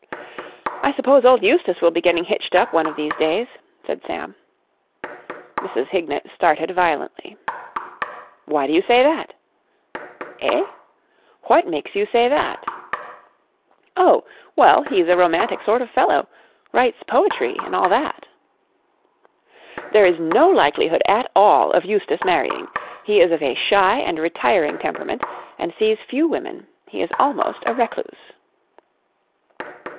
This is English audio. "I suppose old Eustace will be getting hitched up one of these days?" said Sam. Mrs. Hignett started violently. "Why do you say that?" "Eh?" "What makes you say that?" "Oh, well, he's a romantic sort of fellow. Writes poetry, and all that." "There is no likelihood at all of Eustace marrying. He is of a shy and retiring temperament, and sees few women. He is almost a recluse."